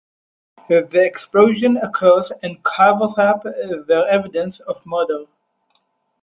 The explosion occurs and covers up their evidence of murder.